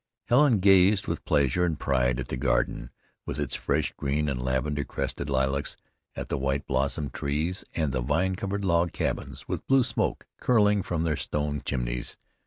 Helen gazed with pleasure and pride at the garden with its fresh green and lavender crested lilacs, at the white blossomed trees, and the vine covered log cabins with blue smoke curling from their stone chimneys.